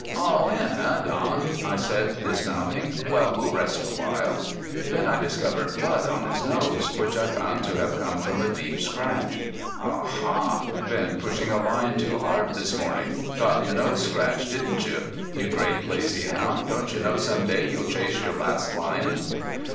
"All in, eh Don!" I said dismounting. "Well, we'll rest awhile." Then I discovered blood on his nose, which I found to have come from a deep scratch. "A ah! been pushing a lion too hard this morning? Got your nose scratched, didn't you? You great, crazy hound, don't you know some day you'll chase your last lion?"